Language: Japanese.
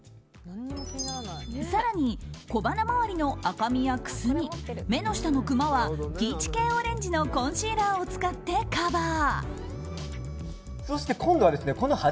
更に小鼻周りの赤みやくすみ目の下のクマはピーチ系オレンジのコンシーラーを使ってカバー。